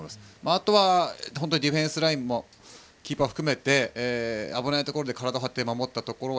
あとはディフェンスラインキーパー含めて危ないところで体を張って守って。